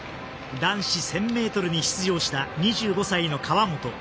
男子１０００ｍに出場した２５歳の川本。